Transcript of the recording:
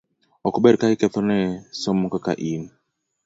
ok ber ka iketho ne somo kaka in.